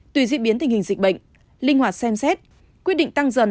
tùy diễn biến tình hình dịch bệnh linh hoạt xem xét quyết định tăng dần